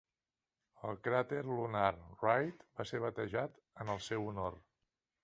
El cràter lunar "Wright" va ser batejat en el seu honor.